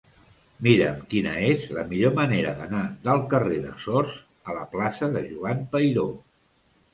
Mira'm quina és la millor manera d'anar del carrer de Sors a la plaça de Joan Peiró.